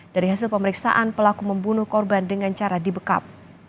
dari hasil pemeriksaan pelaku membunuh korban dengan cara dibekap